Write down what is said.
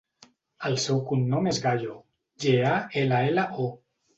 El seu cognom és Gallo: ge, a, ela, ela, o.